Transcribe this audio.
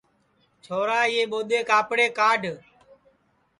چھورا یہ ٻودَے کاپڑے کاڈھ